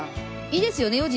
いいですよね